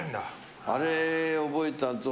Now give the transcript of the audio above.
あれ覚えたあと。